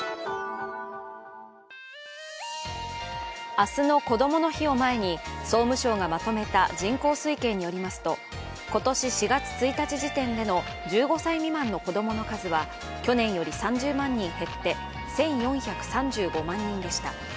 明日のこどもの日を前に総務省がまとめた人口推計によりますと今年４月１日時点での１５歳未満の子供の数は去年より３０万人減って１４３５万人でした。